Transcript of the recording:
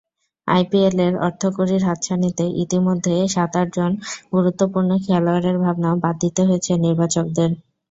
আইপিএলের অর্থকরির হাতছানিতে ইতিমধ্যেই সাত-আটজন গুরুত্বপূর্ণ খেলোয়াড়ের ভাবনাও বাদ দিতে হয়েছে নির্বাচকদের।